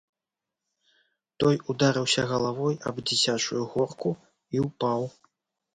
Той ударыўся галавой аб дзіцячую горку і ўпаў.